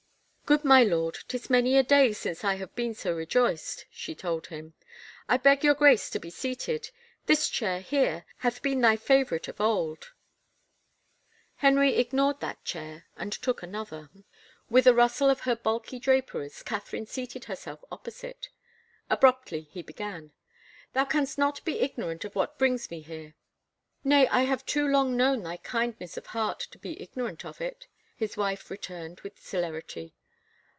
" Good, my lord, 'tis many a day since I have been so rejoiced," she told him. " I beg your Grace to be seated — this chair, here, hath been thy favorite of old." Henry ignored that chair and took another. With a 131 THE FAVOR OF KINGS rustle of her bulky draperies Catherine seated herself opposite. Abruptly he began. " Thou canst not be ignorant of what brings me here." " Nay, I have too long known thy kindness of heart to be ignorant of it," his wife returned with celerity.